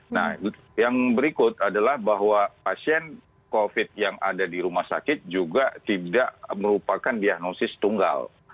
nah yang berikut adalah bahwa pasien covid yang ada di rumah sakit juga tidak merupakan diagnosis tunggal